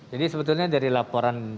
jadi sebetulnya dari laporan